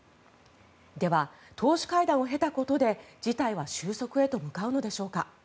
では、党首会談を経たことで事態は収束へと向かうのでしょうか。